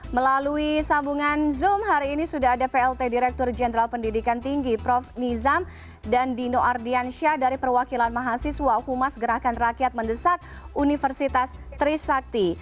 melalui sambungan zoom hari ini sudah ada plt direktur jenderal pendidikan tinggi prof nizam dan dino ardiansyah dari perwakilan mahasiswa humas gerakan rakyat mendesak universitas trisakti